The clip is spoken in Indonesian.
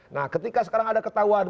nah ketika sekarang ada ketahuan